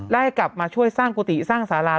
ให้กลับมาช่วยสร้างกุฏิสร้างสารา